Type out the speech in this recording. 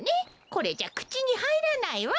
これじゃくちにはいらないわ。